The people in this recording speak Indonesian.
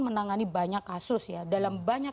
menangani banyak kasus ya dalam banyak